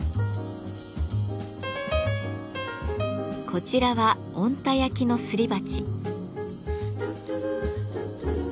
こちらは小鹿田焼のすり鉢。